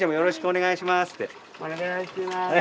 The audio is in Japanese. お願いします。